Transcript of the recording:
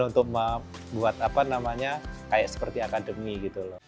untuk membuat apa namanya kayak seperti akademi gitu loh